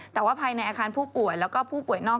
แต่ว่าภายในอาคารผู้ป่วยแล้วก็ผู้ป่วยนอก